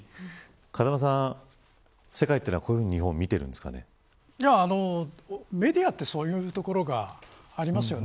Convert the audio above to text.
風間さん、世界は日本をこういうふうにメディアってこういうところがありますよね。